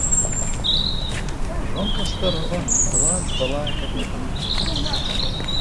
Жонка старога была дбалая кабета.